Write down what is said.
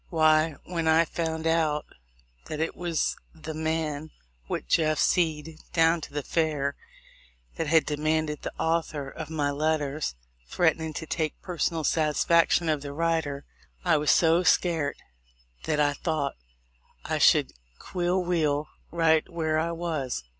Why, when I found out that it was the man what Jeff seed down to the fair that had demanded the THE LIFE OF LINCOLN. 241 author of my letters, threatnin' to take personal satisfaction of the writer, I was so skart that I tho't I should quill wheel right where I was.